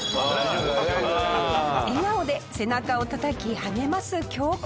笑顔で背中をたたき励ます教官。